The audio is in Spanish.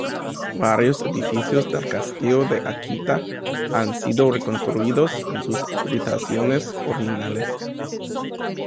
Varios edificios del castillo de Akita han sido reconstruidos en sus ubicaciones originales